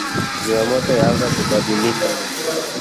Zimamoto Yaanza Kubadilika